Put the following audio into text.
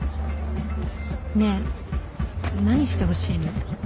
ねえ何してほしいの？